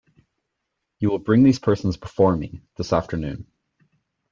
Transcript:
You will bring these persons before me, this afternoon.